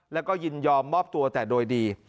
แล้วก็ยินยอมมอบตัวแต่โดยดี